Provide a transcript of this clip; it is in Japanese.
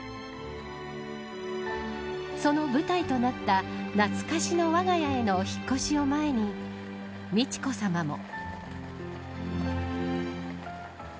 その舞台となった懐かしのわが家へのお引っ越しを前に美智子さまも。